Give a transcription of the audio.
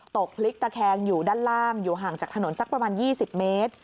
ตกพลิกตะแคงอยู่ด้านล่างอยู่ห่างจากถนนสักประมาณ๒๐เมตร